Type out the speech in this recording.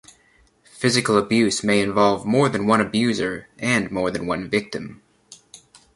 Physical abuse may involve more than one abuser, and more than one victim.